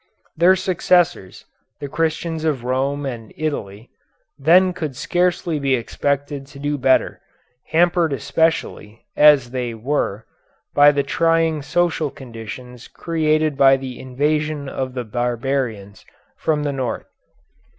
Their successors, the Christians of Rome and Italy, then could scarcely be expected to do better, hampered especially, as they were, by the trying social conditions created by the invasion of the barbarians from the North.